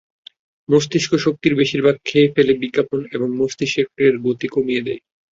মস্তিষ্কের শক্তির বেশির ভাগ খেয়ে ফেলে বিজ্ঞাপন এবং মস্তিষ্কের গতি কমিয়ে দেয়।